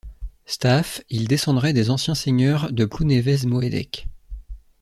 Staaff, ils descendraient des anciens seigneurs de Plounévez-Moëdec.